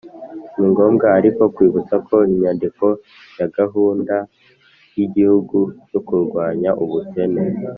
ni ngombwa ariko kwibutsa ko inyandiko ya gahunda y'igihugu yo kurwanya ubukene